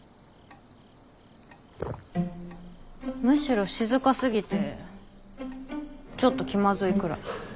むしろ静かすぎてちょっと気まずいくらい。